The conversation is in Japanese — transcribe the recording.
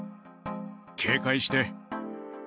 警戒して。